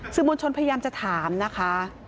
มวลชนพยายามจะถามนะคะ